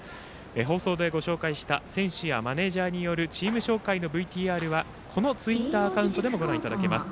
放送でご紹介した選手やマネージャーによるチーム紹介のＶＴＲはこのツイッターアカウントでもご覧いただけます。